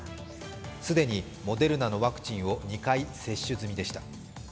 既にモデルナのワクチンを２回接種済みでした。